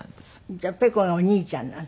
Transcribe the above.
じゃあペコがお兄ちゃんなの？